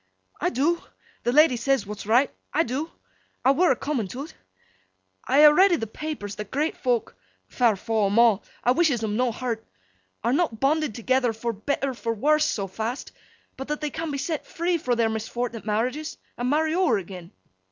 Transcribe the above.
'I do. The lady says what's right. I do. I were a coming to 't. I ha' read i' th' papers that great folk (fair faw 'em a'! I wishes 'em no hurt!) are not bonded together for better for worst so fast, but that they can be set free fro' their misfortnet marriages, an' marry ower agen.